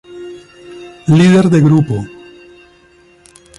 Líder de Grupo.